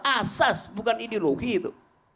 asas bukan ideologi itu